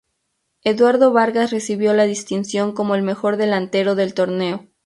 Eduardo Vargas recibió la distinción como el mejor delantero del torneo.